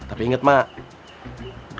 tapi inget emak